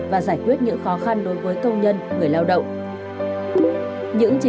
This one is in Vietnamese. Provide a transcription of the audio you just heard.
và giải quyết những khó khăn đối với công nhân người lao động